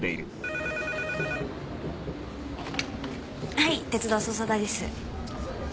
はい鉄道捜査隊です。